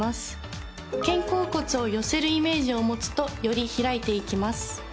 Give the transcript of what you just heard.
肩甲骨を寄せるイメージを持つとより開いていきます。